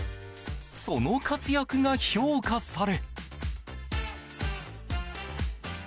その活躍が評価され。